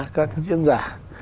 các diễn giả